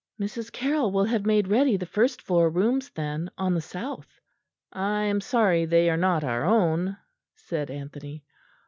"Mrs. Carroll will have made ready the first floor rooms then, on the south." "I am sorry they are not our own," said Anthony.